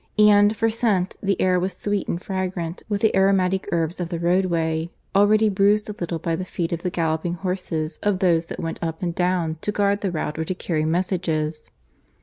And, for scent, the air was sweet and fragrant with the aromatic herbs of the roadway, already bruised a little by the feet of the galloping horses of those that went up and down to guard the route or to carry messages.